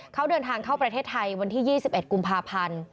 เขาเดินทางเข้าประเทศไทยวันที่๒๑กุมภาพันธ์